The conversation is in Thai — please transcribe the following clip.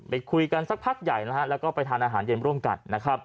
ไปคุยกันสักพักใหญ่แล้วก็ไปทานอาหารเย็นร่วมกัน